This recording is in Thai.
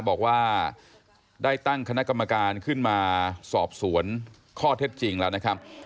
บอกว่าได้ตั้งคณะกรรมการขึ้นมาสอบสวนข้อเท็จจริงแล้วนะครับ